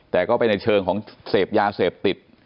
แต่ก็ไปในเชิงของเสพยาเสพติด